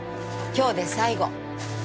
今日で最後。